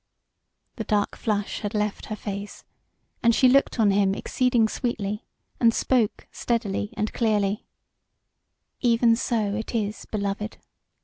The dark flush had left her face, and she looked on him exceeding sweetly, and spoke steadily and clearly: "Even so it is, beloved."